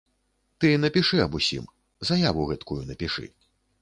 Ты напішы аб усім, заяву гэткую напішы.